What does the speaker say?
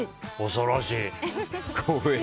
恐ろしい。